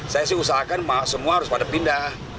saya sih usahakan semua harus pada pindah